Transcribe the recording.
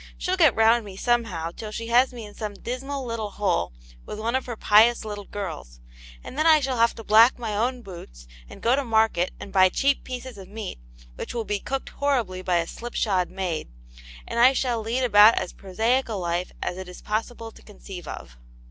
"She'll get round me somehow tin she has me in some dismal \\ll\^\vo\^V\\.Vi.oti« of Aunt Jane's Hero, 35 her pious little girls, and then I shall have to black my own boots, and go to market and buy cheap pieces of meat, which will be cooked horribly by a slip shod maid, and I shall lead about as prosaic a life as it is possible to conceive of."